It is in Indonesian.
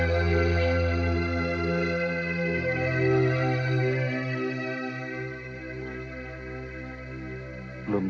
nah masuk dulu lah